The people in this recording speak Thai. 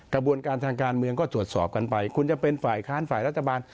กระบวนการทางการเมืองก็ตรวจสอบกันไปคุณจะเป็นฝ่ายค้านฝ่ายรัฐบาล